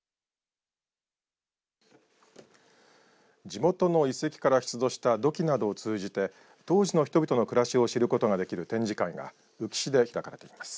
地元の遺跡から出土した土器などを通じて当時の人々の暮らしを知ることができる展示会が宇城市で開かれています。